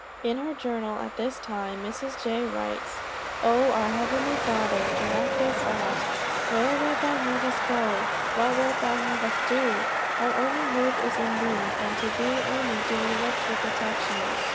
In her journal, at this time, Mrs. J. writes: "Oh, our heavenly Father, direct us aught! Where wilt thou have us to go? What wilt thou have us to do? Our only hope is in thee, and to thee only do we look for protection.